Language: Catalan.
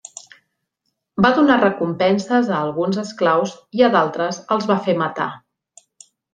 Va donar recompenses a alguns esclaus i a d'altres els va fer matar.